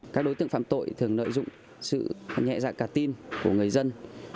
các đối tượng phạm tội thường nợ dụng sự nhẹ dạng cà tin của người dân